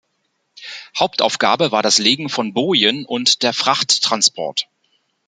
Hauptaufgabe war das Legen von Bojen und der Frachttransport.